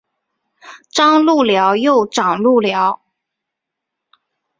张路寮又掌路寮。